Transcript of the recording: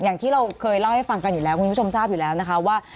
อย่างที่เราเคยเล่าให้ฟังทุกคนทราบอยู่แล้ว